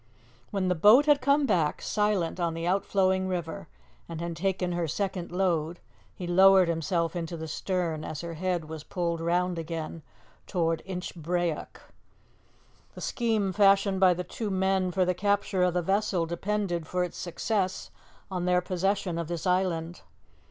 When the boat had come back, silent on the outflowing river, and had taken her second load, he lowered himself into the stern as her head was pulled round again towards Inchbrayock. The scheme fashioned by the two men for the capture of the vessel depended for its success on their possession of this island.